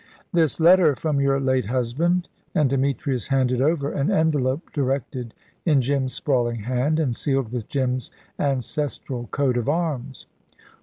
"This letter from your late husband"; and Demetrius handed over an envelope directed in Jim's sprawling hand, and sealed with Jim's ancestral coat of arms.